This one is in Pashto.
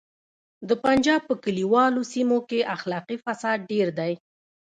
د پنجاب په کلیوالو سیمو کې اخلاقي فساد ډیر دی